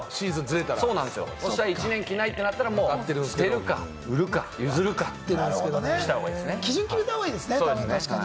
そして１年着ないってなったら、捨てるか、売るか、譲るかってし基準を決めたほうがいいです